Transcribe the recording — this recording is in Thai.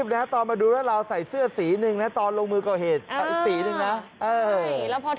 ผมก็ไม่อยากกล่าวหาร้านฝั่งตรงข้ามหรอกนะ